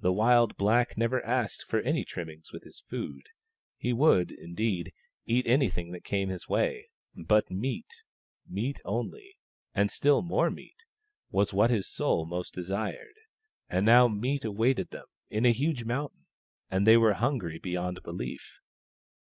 The wild black never asked for any trimmings with his food : he would, indeed, eat anything that came his way, but meat, meat only, and still more meat, was what his soul most desired. And now meat awaited them, in a huge mountain ; and they were hungry beyond belief.